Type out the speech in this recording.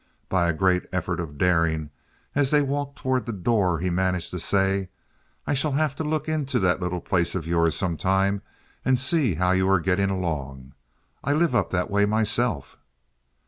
By a great effort of daring, as they walked toward the door, he managed to say: "I shall have to look into that little place of yours sometime and see how you are getting along. I live up that way myself."